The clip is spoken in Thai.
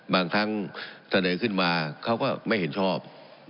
บางครั้งเสนอขึ้นมาเขาก็ไม่เห็นชอบ